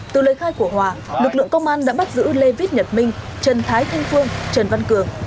từ lời khai của hòa lực lượng công an đã bắt giữ lê viết nhật minh trần thái thanh phương trần văn cường